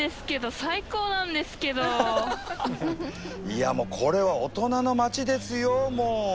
いやもうこれは大人の街ですよもう。